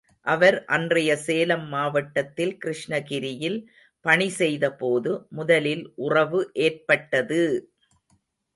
அவர் அன்றைய சேலம் மாவட்டத்தில் கிருஷ்ணகிரியில் பணி செய்தபோது முதலில் உறவு ஏற்பட்டது!